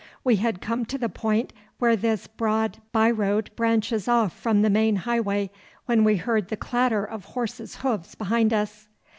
We had come to the point where this byroad branches off from the main highway when we heard the clatter of horses' hoofs behind us.